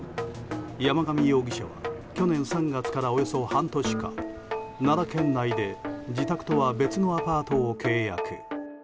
山上容疑者は去年３月からおよそ半年間奈良県内で自宅とは別のアパートを契約。